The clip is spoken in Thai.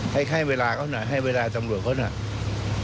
ให้เวลาเขาหน่อยให้เวลาตำรวจเขาหน่อย